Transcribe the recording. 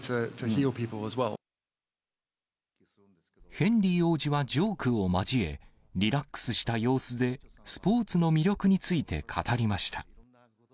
ヘンリー王子はジョークを交え、リラックスした様子でスポーツの魅力について語りました。